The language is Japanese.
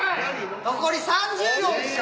残り３０秒でした。